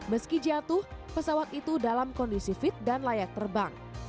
meski jatuh pesawat itu dalam kondisi fit dan layak terbang